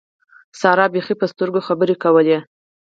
سارا بېخي په سترګو خبرې کولې.